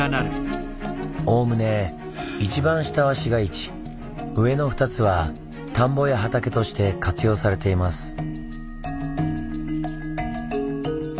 おおむね一番下は市街地上の２つは田んぼや畑として活用されています。